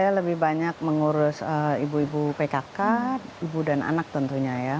saya lebih banyak mengurus ibu ibu pkk ibu dan anak tentunya ya